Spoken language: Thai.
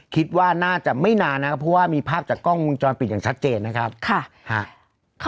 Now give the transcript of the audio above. คิดว่าน่าจะไม่นานนะครับเพราะว่ามีภาพจากกล้องวงจรปิดอย่างชัดเจนนะครับ